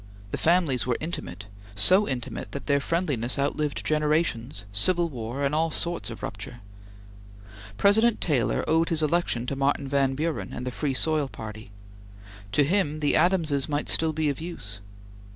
The families were intimate; so intimate that their friendliness outlived generations, civil war, and all sorts of rupture. President Taylor owed his election to Martin Van Buren and the Free Soil Party. To him, the Adamses might still be of use.